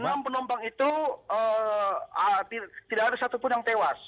enam penumpang itu tidak ada satupun yang tewas